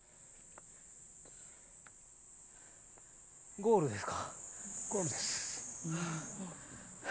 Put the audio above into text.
ゴールです。